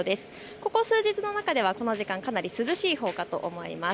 ここ数日の中ではこの時間、かなり涼しいほうかと思います。